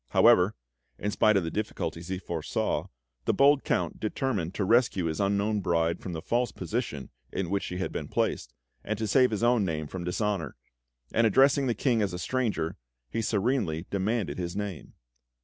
However, in spite of the difficulties he foresaw, the bold Count determined to rescue his unknown bride from the false position in which she had been placed, and to save his own name from dishonour; and addressing the King as a stranger, he serenely demanded his name.